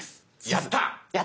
やった！